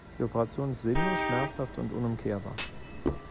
Die Operation ist sinnlos, schmerzhaft und unumkehrbar.